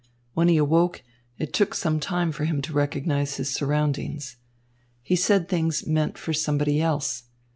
When he awoke, it took some time for him to recognise his surroundings. He said things meant for somebody else.